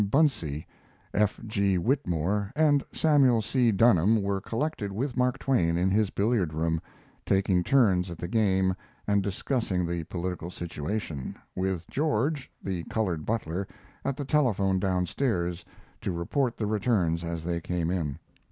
Bunce, F. G. Whitmore, and Samuel C. Dunham were collected with Mark Twain in his billiard room, taking turns at the game and discussing the political situation, with George, the colored butler, at the telephone down stairs to report the returns as they came in.